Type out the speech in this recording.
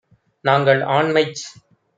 நாங்கள், ஆண்மைச்